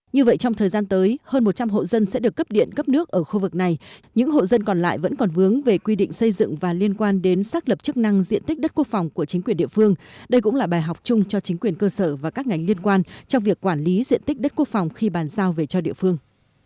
như vậy trong thời gian tới hơn một trăm linh hộ dân sẽ được cấp điện cấp nước ở khu vực này những hộ dân còn lại vẫn còn vướng về quy định xây dựng và liên quan đến xác lập chức năng diện tích đất quốc phòng của chính quyền địa phương đây cũng là bài học chung cho chính quyền cơ sở và các ngành liên quan trong việc quản lý diện tích đất quốc phòng khi bàn giao về cho địa phương